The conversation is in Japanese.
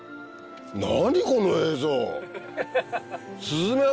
何この映像。